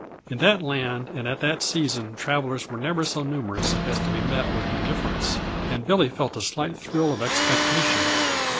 In that land and at that season travelers were never so numerous as to be met with indifference, and Billy felt a slight thrill of expectation.